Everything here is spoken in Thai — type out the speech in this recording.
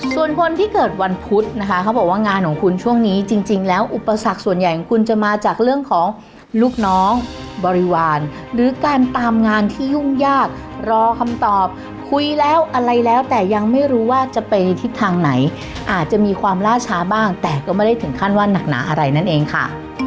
ส่วนคนที่เกิดวันพุธนะคะเขาบอกว่างานของคุณช่วงนี้จริงแล้วอุปสรรคส่วนใหญ่ของคุณจะมาจากเรื่องของลูกน้องบริวารหรือการตามงานที่ยุ่งยากรอคำตอบคุยแล้วอะไรแล้วแต่ยังไม่รู้ว่าจะไปในทิศทางไหนอาจจะมีความล่าช้าบ้างแต่ก็ไม่ได้ถึงขั้นว่านักหนาอะไรนั่นเองค่ะ